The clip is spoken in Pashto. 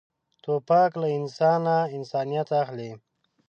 توپک له انسانه انسانیت اخلي.